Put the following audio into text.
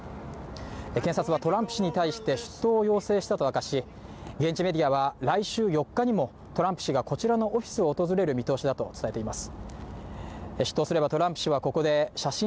検察はトランプ氏に対して出頭要請したと明かし、現地メディアは、来週４日にも、トランプ氏がこちらのオフィスを訪れる見通しだと伝えています。